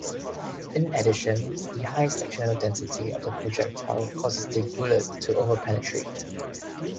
In addition, the high sectional density of the projectile causes the bullet to overpenetrate.